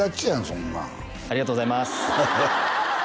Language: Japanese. そんなんありがとうございます